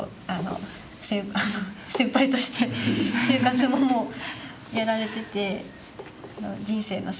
先輩として就活ももうやられていて。と思います。